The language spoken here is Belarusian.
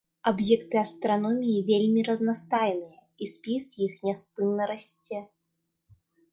Аб'екты астраноміі вельмі разнастайныя, і спіс іх няспынна расце.